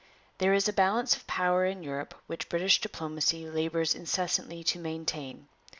' There is a balance of power in Europe which British diplomacy labours incessantly to maintain.